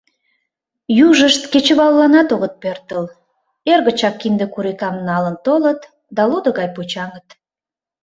Южышт кечывалланат огыт пӧртыл, эр гычак кинде курикам налын толыт да лудо гай почаҥыт.